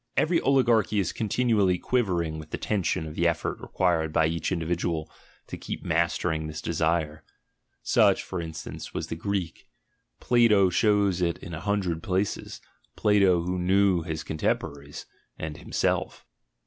Every oligarchy is continually quivering with the tension of the effort required by each individual to keep master ing this desire. (Such, e.g., was the Greek; Plato shows it in a hundred places, Plato, who knew his contempo raries — and himself.)